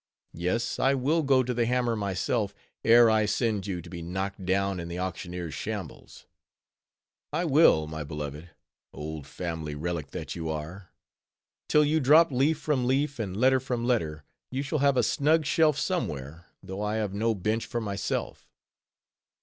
Yes, I will go to the hammer myself, ere I send you to be knocked down in the auctioneer's shambles. I will, my beloved,—old family relic that you are;—till you drop leaf from leaf, and letter from letter, you shall have a snug shelf somewhere, though I have no bench for myself.